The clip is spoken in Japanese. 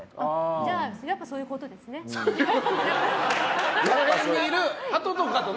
じゃあやっぱりそういうことですね。